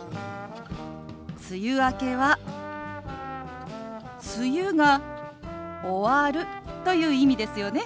「梅雨明け」は「梅雨が終わる」という意味ですよね？